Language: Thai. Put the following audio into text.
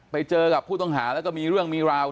ไปเจอกับผู้ต้องหาแล้วก็มีเรื่องมีราว